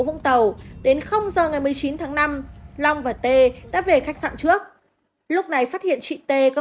vũng tàu đến h ngày một mươi chín tháng năm long và tê đã về khách sạn trước lúc này phát hiện chị tê có